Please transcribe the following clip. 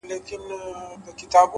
د ځان اصلاح ستره بریا ده,